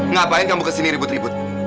ngapain kamu kesini ribut ribut